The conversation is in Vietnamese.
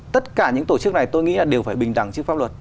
tất cả những tổ chức này tôi nghĩ là đều phải bình đẳng trước pháp luật